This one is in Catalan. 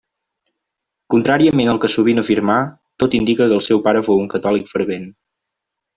Contràriament al que sovint afirmà, tot indica que el seu pare fou un catòlic fervent.